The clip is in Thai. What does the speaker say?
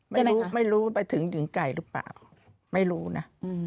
ไม่รู้ไม่รู้ไปถึงหญิงไก่หรือเปล่าไม่รู้นะ